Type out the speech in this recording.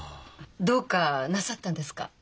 どうかなさったんですか？